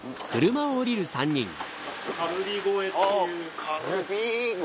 このカルビ越えっていう。